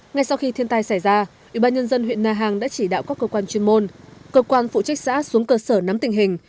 ngay sau khi thiên tai xảy ra ủy ban nhân dân huyện na hàng đã chỉ đạo các cơ quan chuyên môn cơ quan phụ trách xã xuống cơ sở nắm tình hình